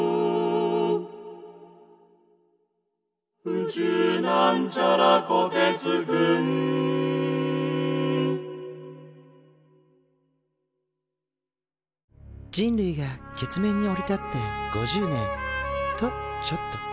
「宇宙」人類が月面に降り立って５０年。とちょっと。